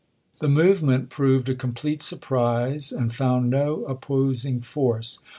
The movement proved a complete surprise, and found no opposing force.